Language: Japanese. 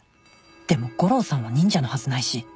でも悟郎さんは忍者のはずないし